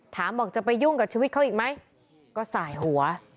บอกจะไปยุ่งกับชีวิตเขาอีกไหมก็สายหัว